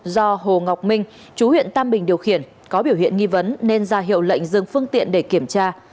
do hồ ngọc minh chú huyện tam bình điều khiển có biểu hiện nghi vấn nên ra hiệu lệnh dừng phương tiện để kiểm tra